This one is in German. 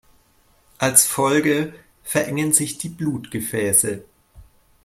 Als Folge verengen sich die Blutgefäße.